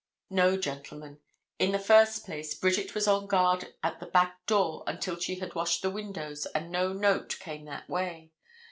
No, gentlemen. In the first place, Bridget was on guard at that back door until she had washed the windows, and no note came that way.